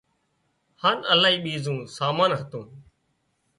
هانَ الاهي ٻيزون سامان هتون